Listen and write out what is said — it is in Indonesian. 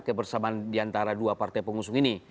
kebersamaan diantara dua partai pengusung ini